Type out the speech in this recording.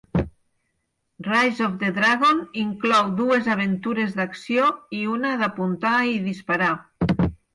"Rise of the Dragon" inclou dues aventures d'acció i una d'apuntar i disparar.